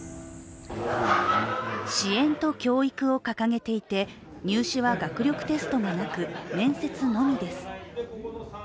支援と教育を掲げていて入試は学力テストがなく、面接のみです。